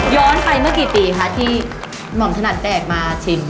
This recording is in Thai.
ย้อนไปมื่อกี่ปีคะที่หม่อมธนัดแตกมา